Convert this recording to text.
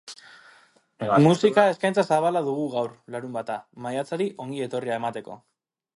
Musika eskaintza zabala dugu gaur, larunbata, maiatzari ongi etorria emateko.